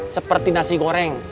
seperti nasi goreng